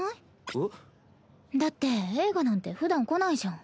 えっ？だって映画なんてふだん来ないじゃん。